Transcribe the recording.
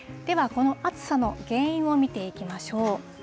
この暑さの原因を見ていきましょう。